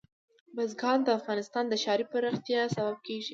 بزګان د افغانستان د ښاري پراختیا سبب کېږي.